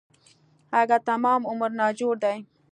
اگه تمام عمر ناجوړه دی.